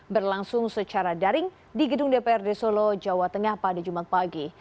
berlangsung secara daring di gedung dprd solo jawa tengah pada jumat pagi